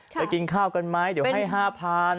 ไปกินข้าวกันไหมเดี๋ยวให้๕๐๐๐อันดับ